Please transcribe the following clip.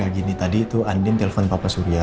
gak gini tadi itu andin telpon papa surya